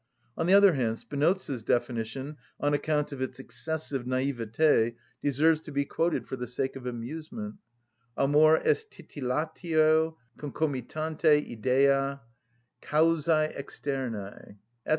On the other hand, Spinoza's definition, on account of its excessive naïveté, deserves to be quoted for the sake of amusement: "Amor est titillatio, concomitante idea causæ externæ" (_Eth.